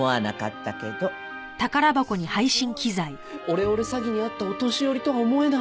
すごいオレオレ詐欺に遭ったお年寄りとは思えない。